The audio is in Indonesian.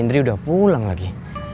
indri udah pulang lagi